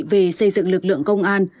về xây dựng lực lượng công an